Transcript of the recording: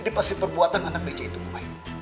ini pasti perbuatan anak bc itu boy